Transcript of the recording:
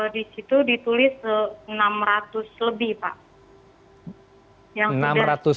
di situ ditulis enam ratus lebih pak